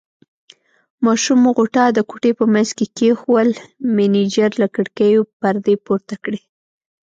ماشوم غوټه د کوټې په منځ کې کېښوول، مېنېجر له کړکیو پردې پورته کړې.